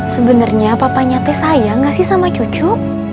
sebenarnya papanya teh sayang gak sih sama cucu